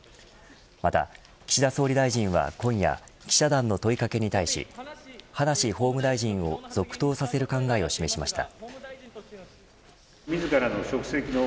また、岸田総理大臣は今夜記者団の問いかけに対し葉梨法務大臣を続投させる考えを示しました。